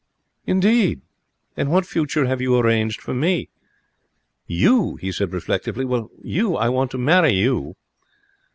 'Indeed! And what future have you arranged for me?' 'You?' he said, reflectively. 'I want to marry you.'